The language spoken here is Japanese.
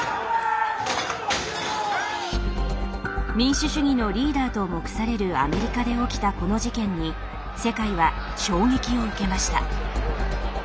民主主義のリーダーと目されるアメリカで起きたこの事件に世界は衝撃を受けました。